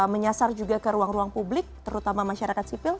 menyasar juga ke ruang ruang publik terutama masyarakat sipil